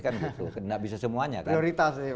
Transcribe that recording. kan gitu nggak bisa semuanya kan